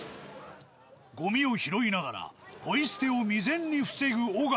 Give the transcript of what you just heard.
ゴミを拾いながらポイ捨てを未然に防ぐ尾形。